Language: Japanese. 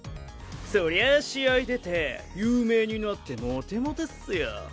そりゃあ試合出て有名になってモテモテっすよ！